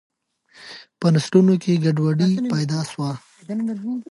په نسلونو کي ګډوډي پیدا سوه.